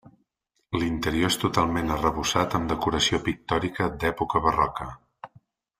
L'interior és totalment arrebossat amb decoració pictòrica d'època barroca.